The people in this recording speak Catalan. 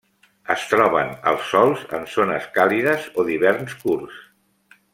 Es troben als sòls en zones càlides o d'hiverns curts.